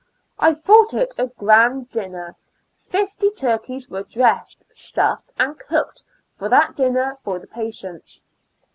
I thought it a grand dinner; fifty turkeys were dressed, stuffed and cooked for that dinner for the patients.